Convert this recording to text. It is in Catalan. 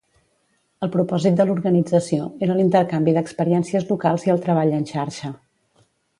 El propòsit de l'organització era l'intercanvi d'experiències locals i el treball en xarxa.